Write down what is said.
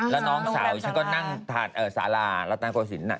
แล้วน้องสาวอยู่ทางแหน้งทางล่อน้องก็ซิหน้า